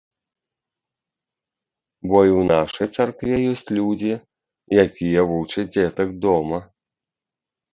Бо і ў нашай царкве ёсць людзі, якія вучаць дзетак дома.